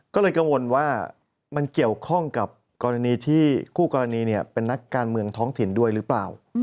ก็เลยกังวลว่ามันเกี่ยวข้องกับกรณีที่คู่กรณีเป็นนักการเมืองท้องถิ่นด้วยหรือเปล่า